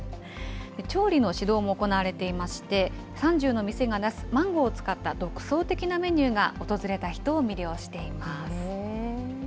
調理の指導も行われていまして、３０の店が出すマンゴーを使った独創的なメニューが訪れた人を魅了しています。